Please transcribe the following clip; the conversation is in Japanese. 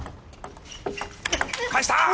返した！